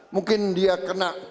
mungkin dia kena